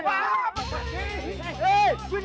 ibu ia langsung takut